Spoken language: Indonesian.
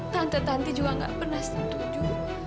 tante tante juga gak pernah setuju